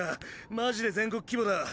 マジで全国規模だ。